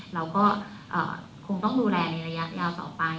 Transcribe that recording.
เราก็คงต้องดูแลในระยะยาวต่อไป